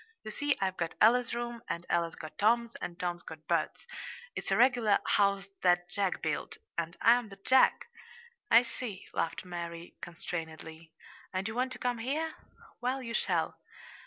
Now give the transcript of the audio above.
You see, I've got Ella's room, and Ella's got Tom's, and Tom's got Bert's. It's a regular 'house that Jack built' and I'm the 'Jack'!" "I see," laughed Mary constrainedly. "And you want to come here? Well, you shall.